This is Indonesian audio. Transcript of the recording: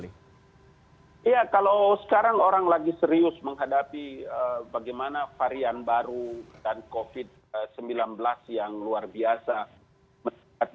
iya kalau sekarang orang lagi serius menghadapi bagaimana varian baru dan covid sembilan belas yang luar biasa meningkat